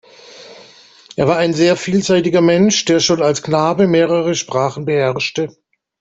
Er war ein sehr vielseitiger Mensch, der schon als Knabe mehrere Sprachen beherrschte.